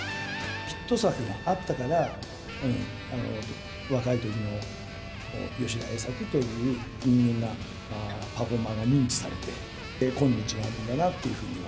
ヒット作があったから、若いときの吉田栄作という人間が、パフォーマーが認知されて、今日があるんだなというふうには。